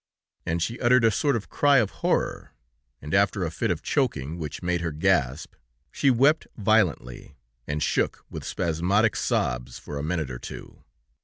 And she uttered a sort of cry of horror, and after a fit of choking, which made her gasp, she wept violently, and shook with spasmodic sobs for a minute or two.